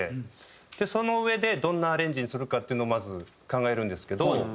そのうえでどんなアレンジにするかっていうのをまず考えるんですけど。